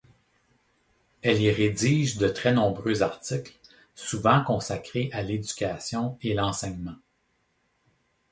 Elle y rédige de très nombreux articles, souvent consacrés à l’éducation et l’enseignement.